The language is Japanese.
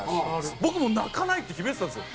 僕も泣かないって決めてたんですよ。